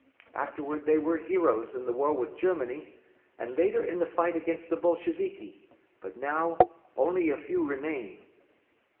Afterward they were heroes in the war with Germany and later in the fight against the Bolsheviki, but now only a few remain."